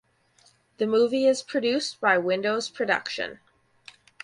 The movie is produced by Windows Production.